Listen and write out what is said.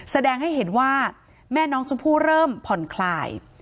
แสดงให้เห็นว่าแม่น้องชมพู่เริ่มผ่อนคลาย